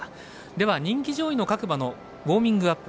では、人気上位の各馬のウォーミングアップ